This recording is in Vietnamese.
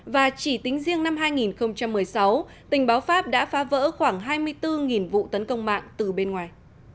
và chỉ tính riêng năm hai nghìn một mươi sáu tình báo pháp đã phá vỡ khoảng hai mươi bốn vụ tấn công mạng từ bên ngoài